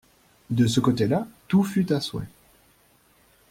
De ce côté-là, tout fut à souhait.